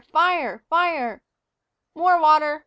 Fire! Fire! More water!